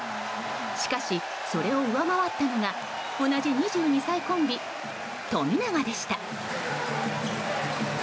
しかし、それを上回ったのが同じ２２歳コンビ、富永でした。